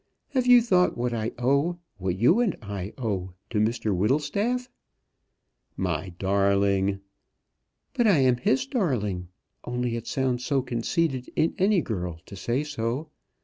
Have you thought what I owe what you and I owe to Mr Whittlestaff?" "My darling!" "But I am his darling. Only it sounds so conceited in any girl to say so.